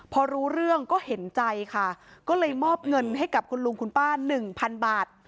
พอรู้เรื่องก็เห็นใจค่ะก็เลยมอบเงินให้กับคุณลุงคุณป้าหนึ่งพันบาท